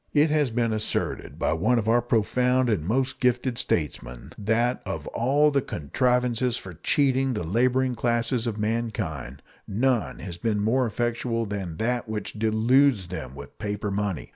It has been asserted by one of our profound and most gifted statesmen that Of all the contrivances for cheating the laboring classes of mankind, none has been more effectual than that which deludes them with paper money.